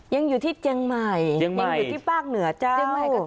ยังอยู่ที่เจียงใหม่ยังอยู่ที่ภาคเหนือจ้า